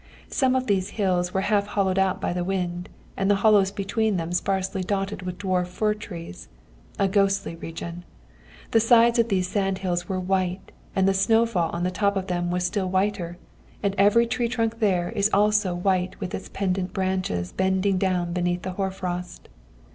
Some of these hills were half hollowed out by the wind, and the hollows between them sparsely dotted with dwarf fir trees. A ghostly region. The sides of these sand hills were white, and the snow fall on the top of them was still whiter; and every tree trunk there is also white with its pendant branches bending down beneath the hoar frost.